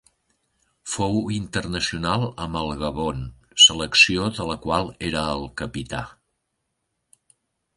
Fou internacional amb el Gabon, selecció de la qual era el capità.